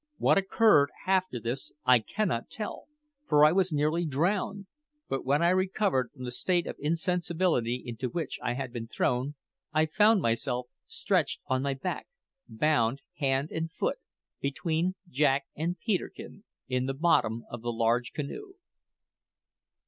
What occurred after this I cannot tell, for I was nearly drowned; but when I recovered from the state of insensibility into which I had been thrown, I found myself stretched on my back, bound hand and foot, between Jack and Peterkin, in the bottom of the large canoe.